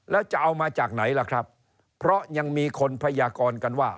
แล้วจะเอามาจากไหนล่ะครับเพราะยังมีคนพยากรกันว่า